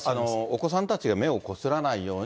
お子さんたちが目をこすらないように。